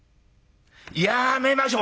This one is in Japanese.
やめましょう」。